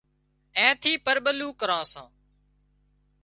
اين ٿي پرٻلوُن ڪران سان